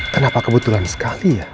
kenapa kebetulan sekali ya